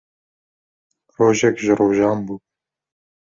Rojek ji rojan bû